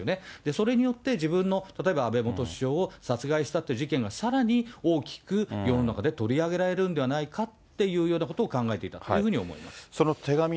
それによって自分の例えば安倍元首相を殺害したという事件が、さらに大きく世の中で取り上げられるのではないかというようなことを考えていたというふうに思います。